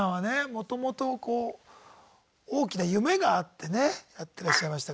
もともとこう大きな夢があってねやってらっしゃいましたから。